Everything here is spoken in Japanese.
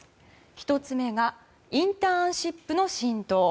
１つ目がインターンシップの浸透。